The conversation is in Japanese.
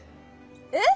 えっ？